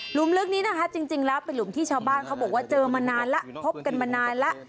มลึกนี้นะคะจริงแล้วเป็นหลุมที่ชาวบ้านเขาบอกว่าเจอมานานแล้วพบกันมานานแล้ว